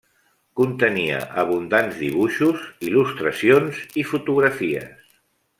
Contenia abundants dibuixos, il·lustracions i fotografies.